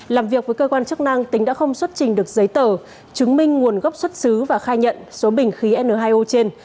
làm việc với cơ quan chức năng tính đã không xuất trình được giấy tờ chứng minh nguồn gốc xuất xứ và khai nhận số bình khí n hai o trên